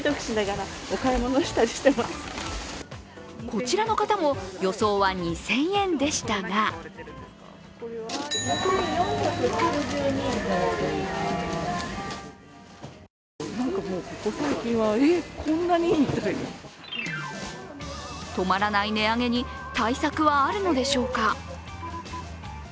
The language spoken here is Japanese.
こちらの方も予想は２０００円でしたが止まらない値上げに対策はあるのでしょうか。